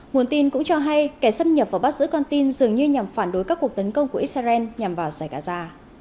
nguồn tin cũng cho hay kẻ xâm nhập và bắt giữ con tin dường như nhằm phản đối các cuộc tấn công của israel nhằm vào giải gaza